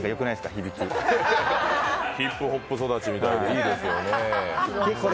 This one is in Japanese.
ヒップホップ育ちみたいでいいですよね。